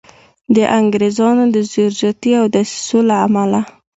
د انګریزانو د زور زیاتي او دسیسو له امله.